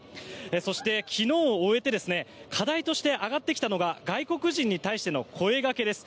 そして、昨日を終えて課題として上がってきたのが外国人に対しての声掛けです。